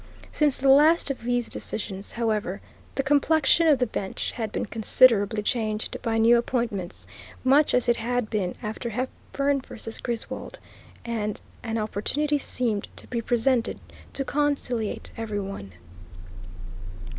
Since the last of these decisions, however, the complexion of the bench had been considerably changed by new appointments, much as it had been after Hepburn v. Griswold, and an opportunity seemed to be presented to conciliate every one.